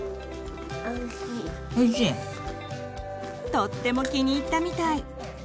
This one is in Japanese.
とっても気に入ったみたい！